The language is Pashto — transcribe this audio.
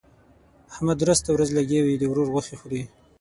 احمد درسته ورځ لګيا وي؛ د ورور غوښې خوري.